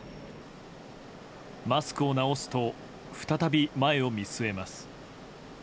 マスクを直すと再び前を見据えます。